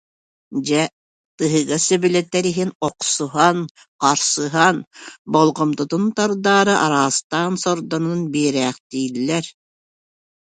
Дьэ, тыһыга сөбүлэтэр иһин охсуһан, харсыһан, болҕомтотун тардаары араастаан сордонон биэрээхтииллэр